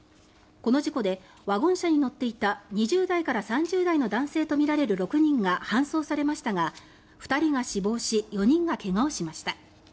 この事故でワゴン車に乗っていた２０代から３０代の男性とみられる６人が搬送されましたが２人が死亡し４人が怪我をしました。